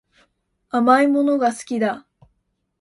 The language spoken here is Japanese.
甘いものが好きだ